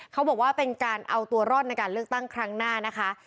เขาบอกว่าเป็นการเอาตัวรอดในการเลือกตั้งครั้งหน้านะคะ